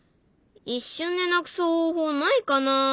一瞬でなくす方法ないかな？